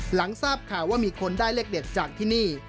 หลังทราบข่าวว่ามีคนได้เลขเด็ดจากที่นี่